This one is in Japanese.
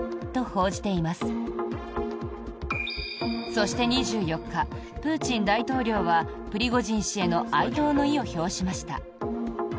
そして２４日プーチン大統領はプリゴジン氏への哀悼の意を表しました。